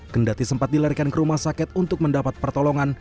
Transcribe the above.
kendati sempat dilarikan ke rumah sakit untuk mendapat pertolongan